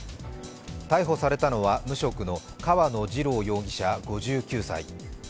逮捕されたのは無職の川野二郎容疑者５９歳。